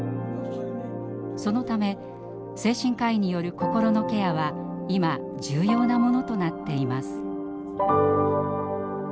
そのため精神科医による心のケアは今重要なものとなっています。